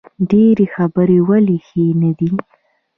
ډیرې خبرې ولې ښې نه دي؟